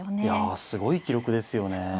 いやすごい記録ですよね。